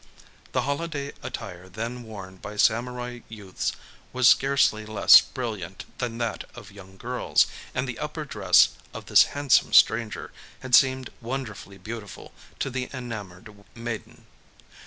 The holiday attire then worn by samurai youths was scarcely less brilliant than that of young girls; and the upper dress of this handsome stranger had seemed wonderfully beautiful to the enamoured maiden.